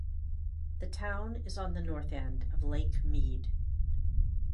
The town is on the north end of Lake Mead.